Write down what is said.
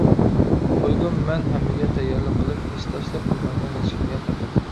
قويدۇم مەن ھەممىگە تەييارلىق قىلىپ، ھېسداشلىق قىلمايمەن ھېچكىمگە پەقەت.